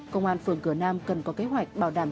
công an phường cửa nam cần có kế hoạch bảo đảm